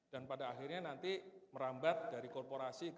dan pada akhirnya nanti merambat dari korporasi ke bank